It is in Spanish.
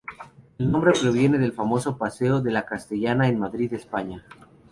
El nombre proviene del famoso Paseo de la Castellana en Madrid, España.